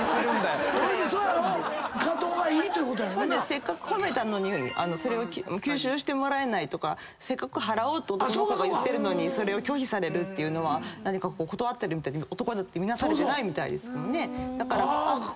せっかく褒めたのにそれを吸収してもらえないとか払おうって男の人が言ってるのにそれを拒否されるっていうのは何か断ってるみたいで男だって見なされてないみたいですもんね。